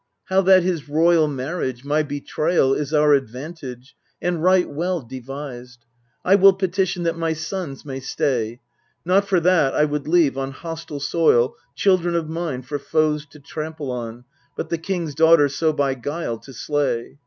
How that his royal marriage, my betrayal, Is our advantage, and right well devised. I will petition that my sons may stay Not for that I would leave on hostile soil Children of mine for foes to trample on, But the king's daughter so by guile to slay.